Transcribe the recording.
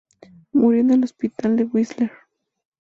Murió en el hospital de Whistler.